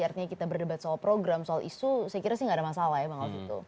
artinya kita berdebat soal program soal isu saya kira sih nggak ada masalah